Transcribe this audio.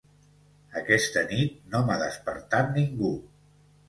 Aquesta nit no m'ha despertat ningú.